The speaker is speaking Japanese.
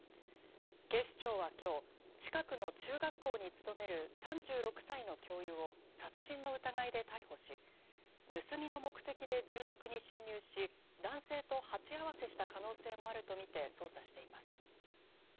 警視庁はきょう近くの中学校に勤める３６歳の教諭を殺人の疑いで逮捕し盗みの目的で住宅に侵入し男性と鉢合わせした可能性もあると見て捜査しています。